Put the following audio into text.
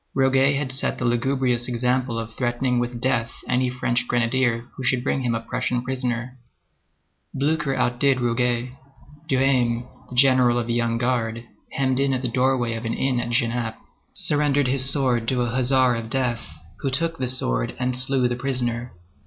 Roguet had set the lugubrious example of threatening with death any French grenadier who should bring him a Prussian prisoner. Blücher outdid Roguet. Duhesme, the general of the Young Guard, hemmed in at the doorway of an inn at Genappe, surrendered his sword to a huzzar of death, who took the sword and slew the prisoner.